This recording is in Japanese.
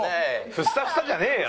フッサフサじゃねえよ！